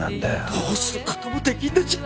どうすることもできんのじゃ。